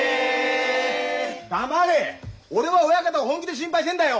黙れ俺は親方を本気で心配してんだよ。